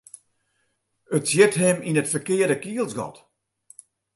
It sjit him yn it ferkearde kielsgat.